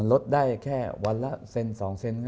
อเรนนี่แหละอเรนนี่แหละ